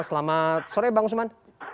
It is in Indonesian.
selamat sore bang usman